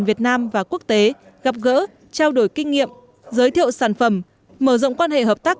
việt nam và quốc tế gặp gỡ trao đổi kinh nghiệm giới thiệu sản phẩm mở rộng quan hệ hợp tác